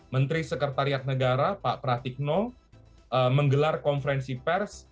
menteri sekretariat negara pak pratikno menggelar konferensi pers